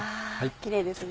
キレイですね。